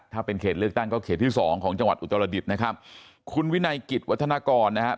ถ้าเป็นเขตเลือกตั้งก็เขตที่สองของจังหวัดอุตรดิษฐ์นะครับคุณวินัยกิจวัฒนากรนะครับ